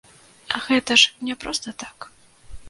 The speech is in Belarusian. Гэта ж не проста так.